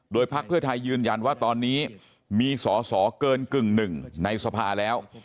พักเพื่อไทยยืนยันว่าตอนนี้มีสอสอเกินกึ่งหนึ่งในสภาแล้ว